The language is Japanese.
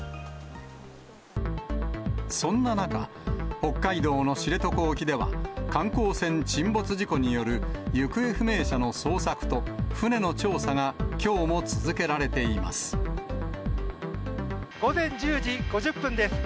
そんな中、北海道の知床沖では、観光船沈没事故による行方不明者の捜索と、船の調査がきょうも続午前１０時５０分です。